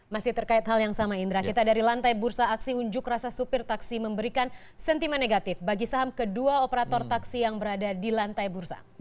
masih terkait hal yang sama indra kita dari lantai bursa aksi unjuk rasa supir taksi memberikan sentimen negatif bagi saham kedua operator taksi yang berada di lantai bursa